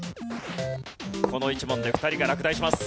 この１問で２人が落第します。